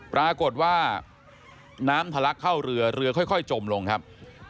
ปรากฏว่าน้ำทะลักเข้าเรือเรือค่อยจมลงครับ